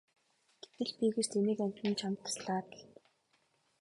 Гэтэл би гэж тэнэг амьтан чамд туслаад л!